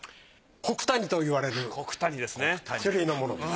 古九谷と言われる種類のものです。